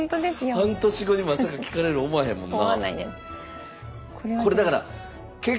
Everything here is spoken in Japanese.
半年後にまさか聞かれると思わへんもんな。